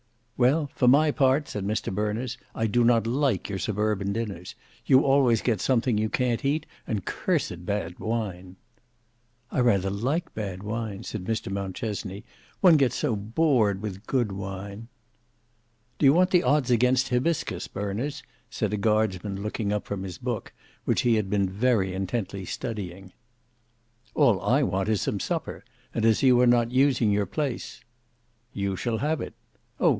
"Well, for my part," said Mr Berners. "I do not like your suburban dinners. You always get something you can't eat, and cursed bad wine." "I rather like bad wine," said Mr Mountchesney; "one gets so bored with good wine." "Do you want the odds against Hybiscus, Berners?" said a guardsman looking up from his book, which he had been very intently studying. "All I want is some supper, and as you are not using your place—" "You shall have it. Oh!